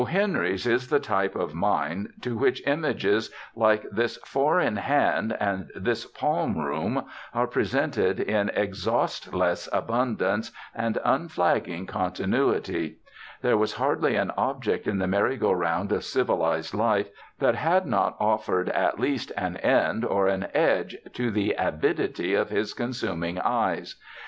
Henry's is the type of mind to which images like this four in hand and this palm room are presented in exhaustless abundance and unflagging continuity. There was hardly an object in the merry go round of civilized life that had not offered at least an end or an edge to the avidity of his consuming eyes.